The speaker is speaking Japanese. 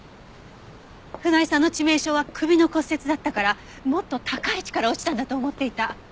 船井さんの致命傷は首の骨折だったからもっと高い位置から落ちたんだと思っていた。